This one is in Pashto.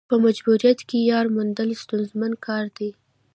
په مجبوریت کې یار موندل ستونزمن کار دی.